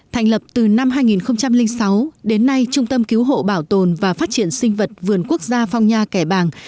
thành lập từ năm hai nghìn sáu đến nay trung tâm cứu hộ bảo tồn và phát triển sinh vật vườn quốc gia phong nha kẻ bàng